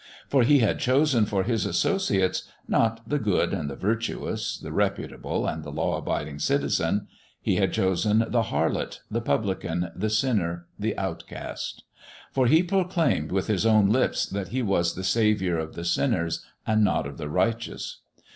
For He had chosen for His associates, not the good and the virtuous, the reputable and the law abiding citizen; He had chosen the harlot, the publican, the sinner, the outcast. For He proclaimed with His own lips that He was the Saviour of the sinners and not of the righteous.